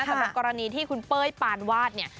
สำหรับกรณีที่คุณเป้ยปานวาดเนี่ย